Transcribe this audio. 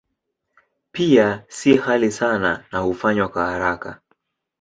Pia si ghali sana na hufanywa kwa haraka.